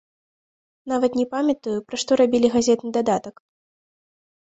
Нават не памятаю, пра што рабілі газетны дадатак.